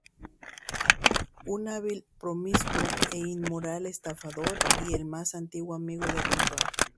Un hábil, promiscuo e inmoral estafador y el más antiguo amigo de Renton.